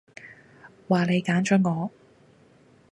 話你揀咗我